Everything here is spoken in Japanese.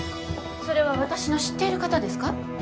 それは私の知っている方ですか？